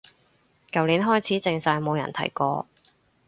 舊年開始靜晒冇人提過